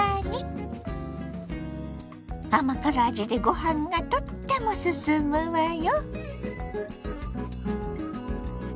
甘辛味でご飯がとってもすすむわよ。